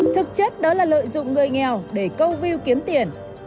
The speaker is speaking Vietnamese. thực chất đó là lợi dụng người nghèo để câu view tiền